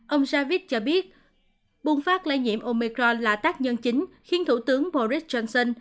ông javid cho biết bùng phát lây nhiễm omicron là tác nhân chính khiến thủ tướng boris johnson